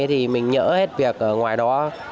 thì mình nhỡ hết việc ở ngoài đó